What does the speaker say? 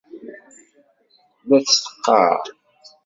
La tt-teqqar.